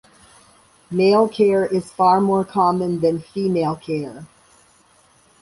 Male care is far more common than female care.